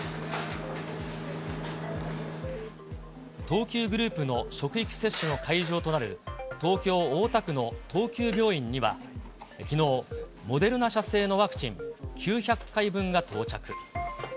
東急グループの職域接種の会場となる、東京・大田区の東急病院には、きのう、モデルナ社製のワクチン９００回分が到着。